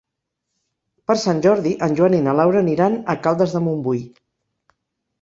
Per Sant Jordi en Joan i na Laura aniran a Caldes de Montbui.